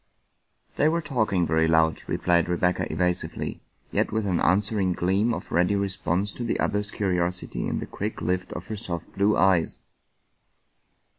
" They were talking very loud," replied Rebecca evasivelv, yet with an answering gleam of ready response to the other's curiosity in the quick lift of her soft blue eyes.